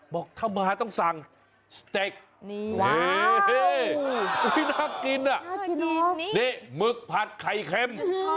บอกถ้ามาต้องสั่งสเต็กน่ากินอ่ะนี่หมึกผัดไข่เค็ม